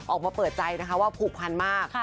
ออกมาเปิดใจนะคะว่าผูกพันมาก